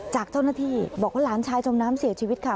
จากเจ้าหน้าที่บอกว่าหลานชายจมน้ำเสียชีวิตค่ะ